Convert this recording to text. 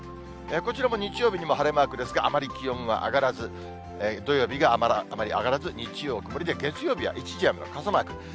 こちらも日曜日にも晴れマークですが、あまり気温は上がらず、土曜日があまり上がらず、日曜曇りで、月曜日は一時雨の傘マーク。